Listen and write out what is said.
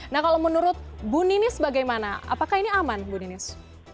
nah kalau menurut bu ninis bagaimana apakah ini aman bu ninis